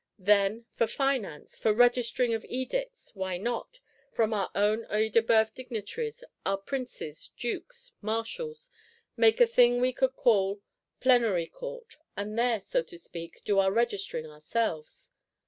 Then for Finance, for registering of Edicts, why not, from our own Œil de Bœuf Dignitaries, our Princes, Dukes, Marshals, make a thing we could call Plenary Court; and there, so to speak, do our registering ourselves?